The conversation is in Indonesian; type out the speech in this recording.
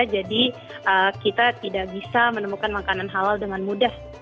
jadi kita tidak bisa menemukan makanan halal dengan mudah